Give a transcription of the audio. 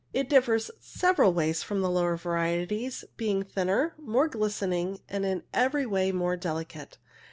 It differs in several ways from the lower varieties, being thinner, more glistening, and in every way more delicate.